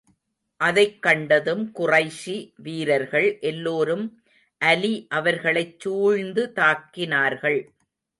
அதைக் கண்டதும் குறைஷி வீரர்கள் எல்லோரும் அலி அவர்களைச் சூழ்ந்து தாக்கினார்கள்.